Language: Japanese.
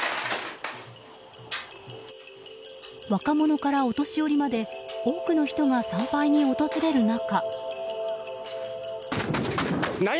若者からお年寄りまで多くの人が参拝に訪れる中。